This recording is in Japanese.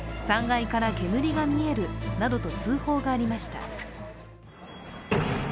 ３階から煙が見えるなどと通報がありました。